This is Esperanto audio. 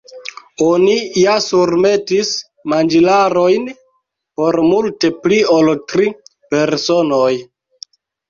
"Oni ja surmetis manĝilarojn por multe pli ol tri personoj."